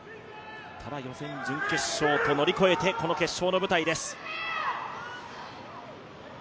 予選、準決勝と乗り越えてこの決勝の舞台です。